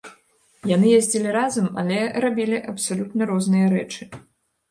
Яны ездзілі разам, але рабілі абсалютна розныя рэчы.